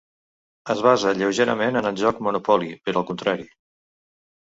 Es basa lleugerament en el joc Monopoly, però al contrari.